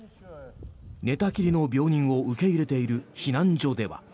寝たきりの病人を受け入れている避難所では。